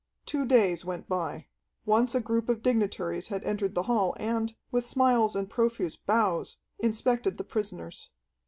Two days went by. Once a group of dignitaries had entered the hall and, with smiles and profuse bows, inspected the prisoners.